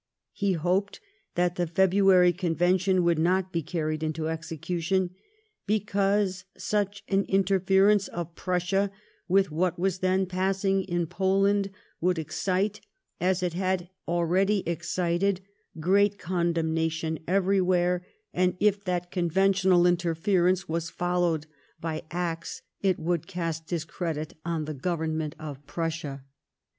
He hoped that the February con yention would not be carried into execution, *^ because such an interference of Prussia with what was then passing in Poland would excite, as it had already excited, great condemnation eyerywhere, and if that POLAND AND 8GHLE8WIG H0L8TEIN. 231 conventional interference were followed by acts it would oast discredit on the Government of Prussia."